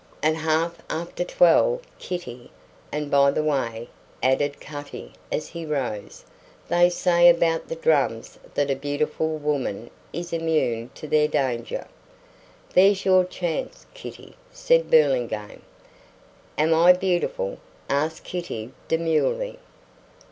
"At half after twelve, Kitty. And by the way," added Cutty as he rose, "they say about the drums that a beautiful woman is immune to their danger." "There's your chance, Kitty," said Burlingame. "Am I beautiful?" asked Kitty, demurely.